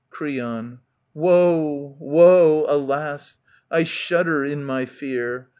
Creon, Woe ! woe ! alas ! I shudder in my fear.